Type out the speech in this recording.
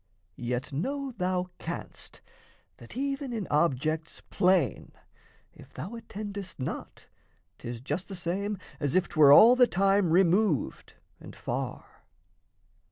Yet know thou canst that, even in objects plain, If thou attendest not, 'tis just the same As if 'twere all the time removed and far.